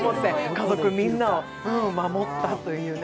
家族みんなを守ったというね。